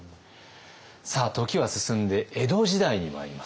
さあ時は進んで江戸時代にまいります。